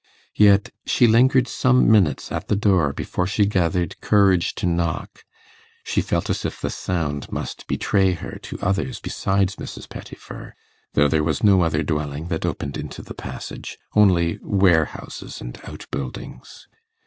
Yet she lingered some minutes at the door before she gathered courage to knock; she felt as if the sound must betray her to others besides Mrs. Pettifer, though there was no other dwelling that opened into the passage only warehouses and outbuildings.